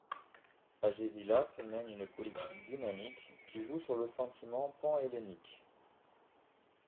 Agésilas mène une politique dynamique qui joue sur le sentiment panhellénique.